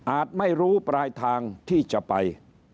ไม่รู้ปลายทางที่จะไป